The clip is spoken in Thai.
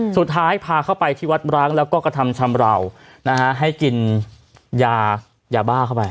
สุดท้ายพาเข้าไปที่วัดร้างแล้วก็กระทำชำราวนะฮะให้กินยายาบ้าเข้าไป